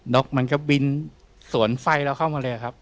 ็อกมันก็บินสวนไฟแล้วเข้ามาเลยครับ